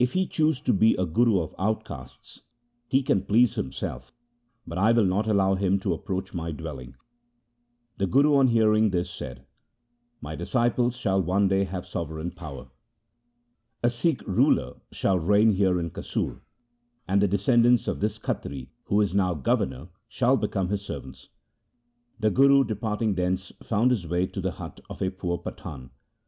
If he choose to be a Guru of outcastes, he can please him self, but I will not allow him to approach my dwell ing.' The Guru on hearing this said, ' My disciples shall one day have sovereign power. A Sikh ruler shall reign here in Kasur, and the descendants of this Khatri who is now governor shall become his servants.' The Guru, departing thence, found his way to the hut of a poor Pathan.